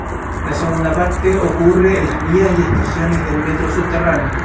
La segunda parte ocurre en las vías y estaciones del metro subterráneo.